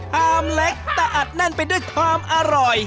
เล็กแต่อัดแน่นไปด้วยความอร่อย